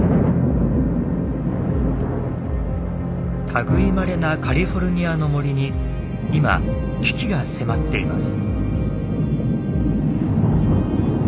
類いまれなカリフォルニアの森に今危機が迫っています。